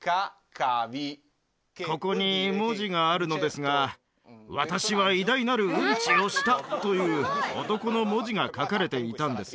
ここに文字があるのですが「私は偉大なるウンチをした」という男の文字が書かれていたんです